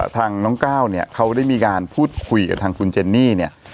ทางน้องก้าวเนี่ยเขาได้มีการพูดคุยกับทางคุณเจนนี่เนี่ย